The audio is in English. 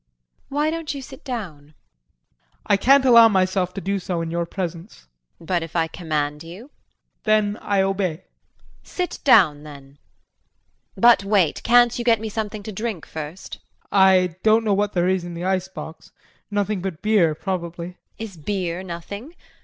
] JULIE. Why don't you sit down? JEAN. I can't allow myself to do so in your presence. JULIE. But if I command you? JEAN. Then I obey. JULIE. Sit down then. But wait can't you get me something to drink first? JEAN. I don't know what there is in the icebox. Nothing but beer, probably. JULIE. Is beer nothing?